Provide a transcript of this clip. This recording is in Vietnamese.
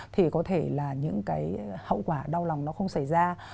thì có thể là những cái hậu quả đau lòng nó không xảy ra